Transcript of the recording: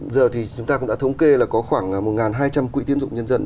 giờ thì chúng ta cũng đã thống kê là có khoảng một hai trăm linh quỹ tiến dụng nhân dân